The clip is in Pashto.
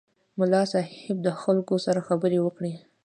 ملا صیب د خلکو سره خبرې وکړې.